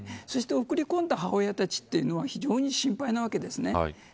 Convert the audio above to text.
そして送り込んだ母親たちというのは非常に心配なわけです。